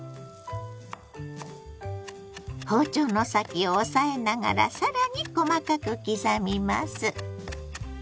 包丁の先を押さえながら更に細かく刻みます。